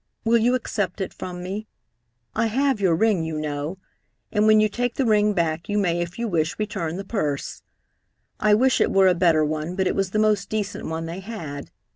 Will you accept it from me? I have your ring, you know, and when you take the ring back you may, if you wish, return the purse. I wish it were a better one, but it was the most decent one they had.